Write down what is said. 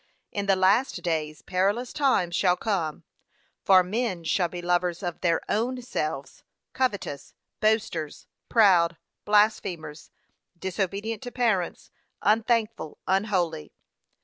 'In the last days perilous times shall come, for men shall be lovers of their ownselves, covetous, boasters, proud, blasphemers, disobedient to parents, unthankful, unholy.'